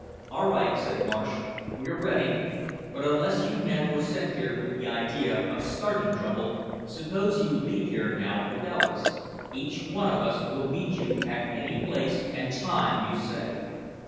"All right," said Marsh, "we're ready. But unless you men were sent here with the idea of starting trouble, suppose you leave here now without us. Each one of us will meet you at any place and time you say."